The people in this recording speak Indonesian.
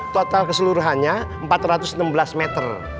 total keseluruhannya empat ratus enam belas meter